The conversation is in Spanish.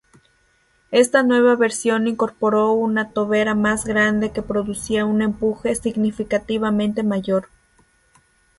Esta nueva versión incorporó una tobera más grande que producía un empuje significativamente mayor.